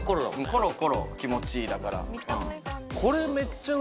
コロコロ気持ちいいだからあっ